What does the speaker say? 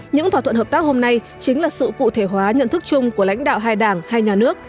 những thỏa thuận hợp tác hôm nay chính là sự cụ thể hóa nhận thức chung của lãnh đạo hai đảng hai nhà nước